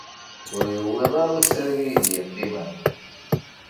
Ur yewwiḍ ara usrag ay d-yeqqimen.